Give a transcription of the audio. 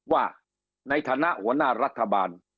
ว่าในฐานะหัวหน้ารัฐบาล